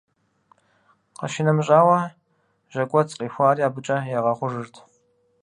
Къищынэмыщӏауэ, жьэкӏуэцӏ къихуари абыкӏэ ягъэхъужырт.